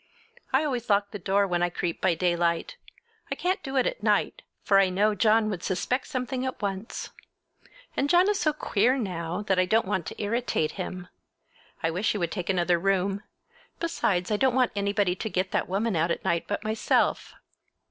I always lock the door when I creep by daylight. I can't do it at night, for I know John would suspect something at once. And John is so queer now, that I don't want to irritate him. I wish he would take another room! Besides, I don't want anybody to get that woman out at night but myself.